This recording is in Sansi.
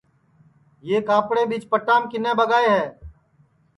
یہ کاپڑے ٻیچ پٹام کِنے ٻگائے ہے